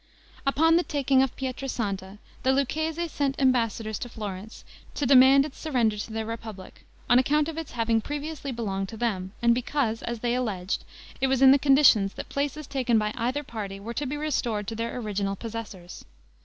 Upon the taking of Pietra Santa, the Lucchese sent ambassadors to Florence, to demand its surrender to their republic, on account of its having previously belonged to them, and because, as they alleged, it was in the conditions that places taken by either party were to be restored to their original possessors.